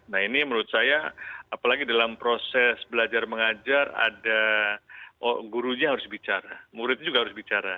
nah ini menurut saya apalagi dalam proses belajar mengajar ada gurunya harus bicara muridnya juga harus bicara